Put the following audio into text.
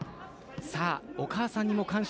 お母さんへの感謝